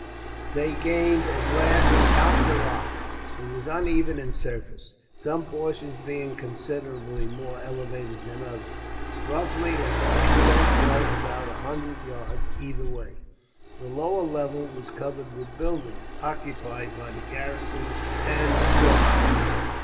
They gained, at last, the top of the rock. It was uneven in surface, some portions being considerably more elevated than others. Roughly, its extent was about a hundred yards, either way. The lower level was covered with buildings, occupied by the garrison, and storehouses.